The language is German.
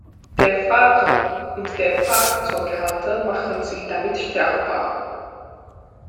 Der Fahrer und der Fahrzeughalter machen sich damit strafbar.